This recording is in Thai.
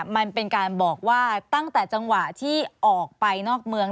มันเป็นการบอกว่าตั้งแต่จังหวะที่ออกไปนอกเมือง